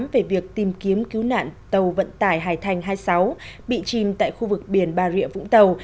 về việc tìm kiếm cứu nạn tàu vận tải hải thành hai mươi sáu bị chìm tại khu vực biển bà rịa vũng tàu